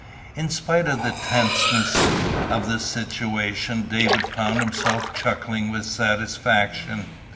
In spite of the tenseness of the situation David found himself chuckling with satisfaction.